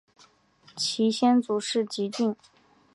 其先祖是汲郡。